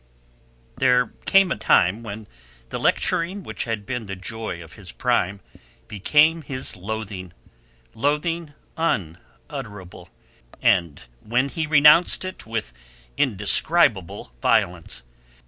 There came a time when the lecturing which had been the joy of his prime became his loathing, loathing unutterable, and when he renounced it with indescribable violence.